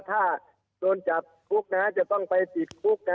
ถ้าโดนจับโค๊กจะต้องไปติดโค๊ก